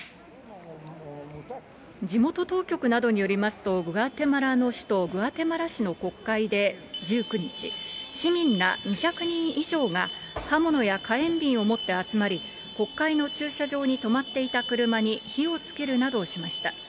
地元当局などによりますと、グアテマラの首都、グアテマラ市の国会で１９日、市民ら２００人以上が、刃物や火炎瓶を持って集まり、国会の駐車場に止まっていた車に火をつけるなどしました。